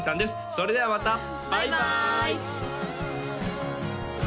それではまたバイバーイ！